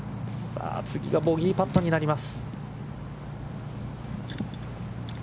さあ、次がボギーパットになります。